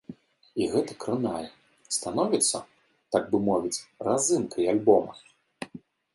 І гэта кранае, становіцца, так бы мовіць, разынкай альбома.